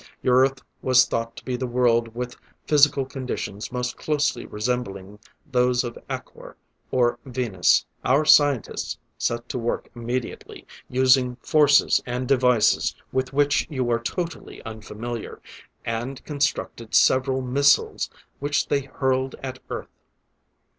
"Your Earth was thought to be the world with physical conditions most closely resembling those of Acor, or Venus. Our scientists set to work immediately, using forces and devices with which you are totally unfamiliar, and constructed several missiles which they hurled at Earth.